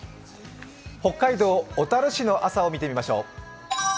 北海道小樽市の朝を見てみましょう。